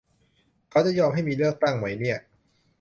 เขาจะยอมให้มีเลือกตั้งไหมเนี่ย